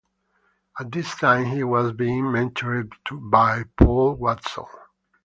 At this time he was being mentored by Paul Watson.